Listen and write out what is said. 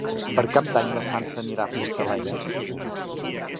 Per Cap d'Any na Sança anirà a Fortaleny.